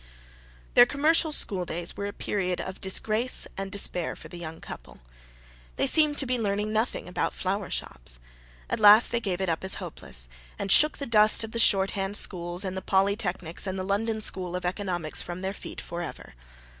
Their commercial school days were a period of disgrace and despair for the young couple. They seemed to be learning nothing about flower shops. At last they gave it up as hopeless, and shook the dust of the shorthand schools, and the polytechnics, and the London School of Economics from their feet for ever.